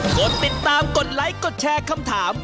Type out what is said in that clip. กดติดตามกดไลค์กดแชร์คำถาม